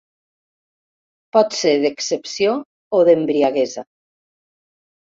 Pot ser d'excepció o d'embriaguesa.